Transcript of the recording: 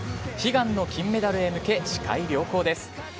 悲願の金メダルへ向け視界良好です。